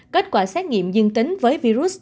kết quả xét nghiệm dương tính với virus